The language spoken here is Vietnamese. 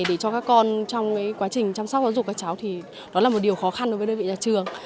để cho các con trong quá trình chăm sóc giáo dục các cháu thì đó là một điều khó khăn đối với đơn vị nhà trường